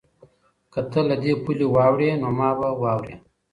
که ته له دې پولې واوړې نو ما به واورې؟